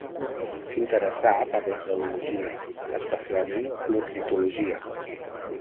S'interessà per la zoologia, especialment l'ornitologia.